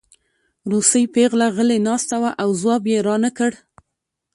روسۍ پېغله غلې ناسته وه او ځواب یې رانکړ